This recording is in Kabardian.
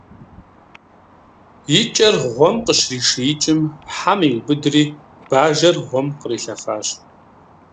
И кӏэр гъуэм къыщришиикӏым, хьэм иубыдри, бажэр гъуэм кърилъэфащ.